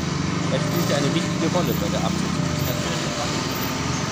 Er spielte eine wichtige Rolle bei der Absetzung des Herzogs von Buckingham.